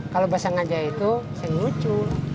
kalau bersengaja itu saya ngelucu